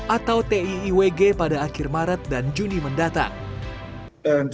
atau tiiwg pada akhir maret dan juni mendatang